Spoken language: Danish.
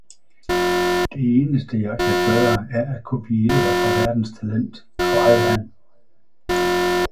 "Det eneste jeg kan gøre er at kopier fra verdens talent." grædte han.